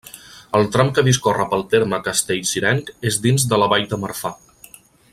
El tram que discorre pel terme castellcirenc és dins de la Vall de Marfà.